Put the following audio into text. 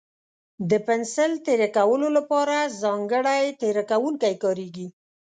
د پنسل تېره کولو لپاره ځانګړی تېره کوونکی کارېږي.